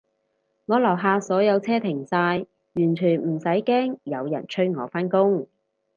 我樓下所有車停晒，完全唔使驚有人催我返工